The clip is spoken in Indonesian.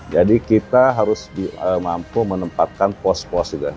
jadi kita harus mampu menempatkan pos pos juga